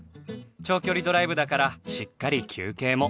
長距離ドライブだからしっかり休憩も。